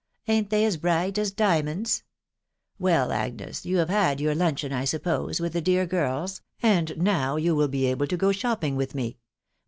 ain't they as bright as diamonds ?... Well, Agnes, you have had your luncheon, I suppose, with the dear girls, and now you will be ready to go shoo^in^ >N\x\v\c\ft.. "W*.